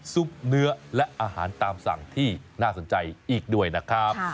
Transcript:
ซุปเนื้อและอาหารตามสั่งที่น่าสนใจอีกด้วยนะครับ